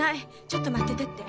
「ちょっと待ってて」って。